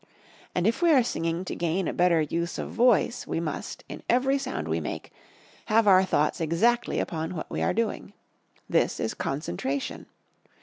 And if we are singing to gain a better use of voice we must, in every sound we make, have our thoughts exactly upon what we are doing. This is Concentration.